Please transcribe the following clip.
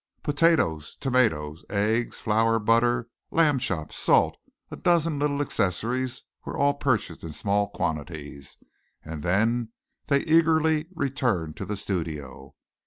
Potatoes, tomatoes, eggs, flour, butter, lamb chops, salt a dozen little accessories were all purchased in small quantities, and then they eagerly returned to the studio.